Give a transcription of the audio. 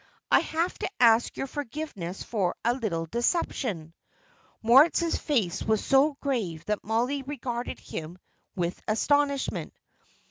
I have to ask your forgiveness for a little deception." Moritz's face was so grave that Mollie regarded him with astonishment.